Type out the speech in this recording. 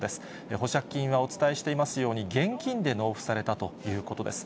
保釈金はお伝えしていますように、現金で納付されたということです。